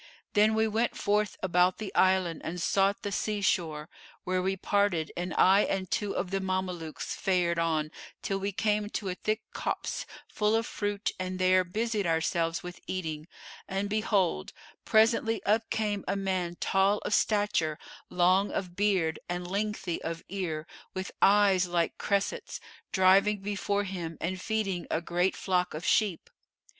Then we went forth about the island and sought the sea shore, where we parted and I and two of the Mamelukes fared on till we came to a thick copse full of fruit and there busied ourselves with eating, and behold, presently up came a man tall of stature, long of beard and lengthy of ear, with eyes like cressets, driving before him and feeding a great flock of sheep.